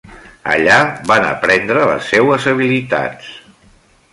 Allà van aprendre les seues habilitats.